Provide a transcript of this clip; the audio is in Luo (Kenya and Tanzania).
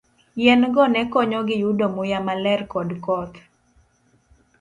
Yien go ne konyogi yudo muya maler kod koth.